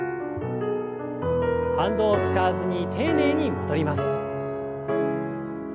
反動を使わずに丁寧に戻ります。